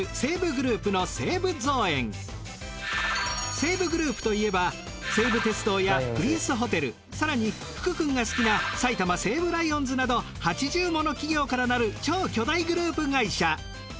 西武グループといえば西武鉄道やプリンスホテル更に福くんが好きな埼玉西武ライオンズなど８０もの企業からなる超巨大グループ会社。